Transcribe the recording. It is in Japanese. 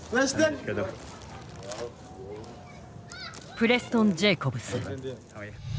プレストン・ジェイコブス。